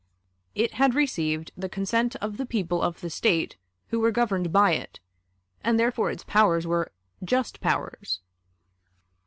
It had received the consent of the people of the State who were governed by it, and therefore its powers were "just powers."